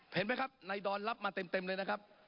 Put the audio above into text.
เห็นไหมครับนายดอนรับมาเต็มเลยนะครับ